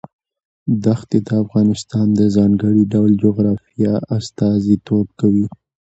دښتې د افغانستان د ځانګړي ډول جغرافیه استازیتوب کوي.